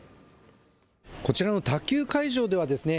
こちらの卓球会場ではですね